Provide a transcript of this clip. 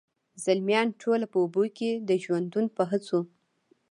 زلمیان ټوله په اوبو کي د ژوندون په هڅو،